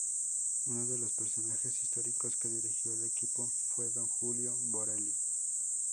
Uno de los personajes históricos que dirigió al equipo fue don Julio Borelli.